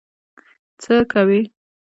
څه کوې؟